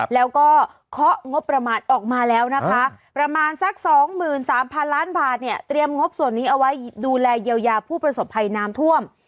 แล้วก็เคาะงบประมาณออกมาแล้วนะคะประมาณสัก๒๓๐๐๐ล้านบาทเนี่ยเตรียมงบส่วนนี้เอาไว้ดูแลเยียวยาผู้ประสบภัยน้ำท่วม